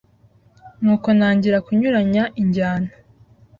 nuko ntangira kunyuranya injyana.